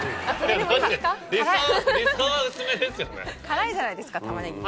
辛いじゃないですか玉ねぎ。